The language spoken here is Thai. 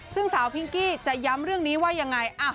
ซึ่งสาวพิงกี้จะย้ำเรื่องนี้ว่ายังไง